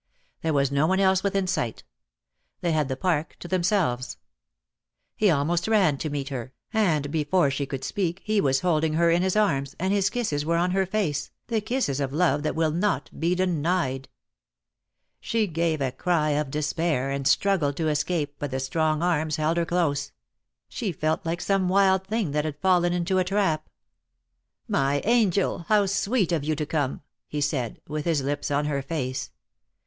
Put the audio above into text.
There was no one else within sight. They had the Park to themselves. He almost ran to meet her, and before she could speak he was holding her in his arms, and his kisses DEAD LOVE HAS CHAINS. 257 were on her face, the kisses of love that will not be denied. She gave a cry of despair, and struggled to escape, but the strong arms held her close. She felt like some wild thing that had fallen into a trap, "My angel, how sweet of you to come," he said, with his lips on her face.